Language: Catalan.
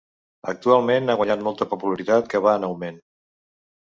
Actualment ha guanyat molta popularitat que va en augment.